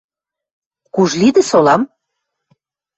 – Кужлидӹ солам?